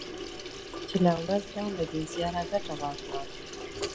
چي لا ورځ ده له دې زياره ګټه واخله